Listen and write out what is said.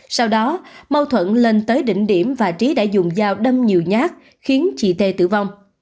sau đó mâu thuẫn lên tới đỉnh điểm và trí đã dùng dao đâm nhiều nhát khiến chị tê tử vong